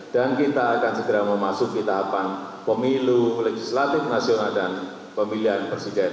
dan kita akan segera memasuki tahapan pemilu legislatif nasional dan pemilihan presiden